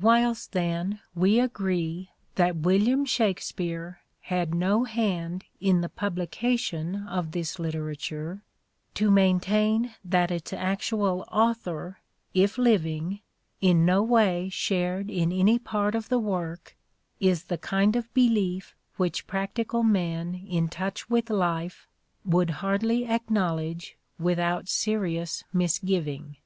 Whilst then we agree that William Shakspere had no hand in the publication of this literature, to maintain that its actual author, if living, in no way shared in any part of the work, is the kind of belief which practical men in touch with life would hardly acknow ledge without serious misgiving.